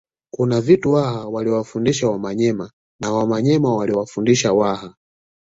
Kuna vitu Waha waliwafundisha Wamanyema na Wamanyema waliwafundisha Waha